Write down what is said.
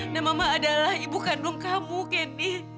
dan mama adalah ibu gandung kamu candy